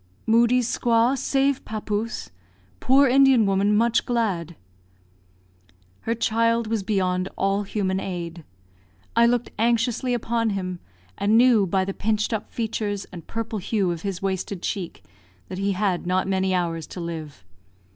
"Moodie's squaw save papouse poor Indian woman much glad." Her child was beyond all human aid. I looked anxiously upon him, and knew, by the pinched up features and purple hue of his wasted cheek, that he had not many hours to live.